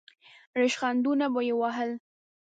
ریشخندونه به یې وهل.